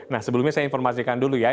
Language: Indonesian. nah sebelumnya saya informasikan dulu ya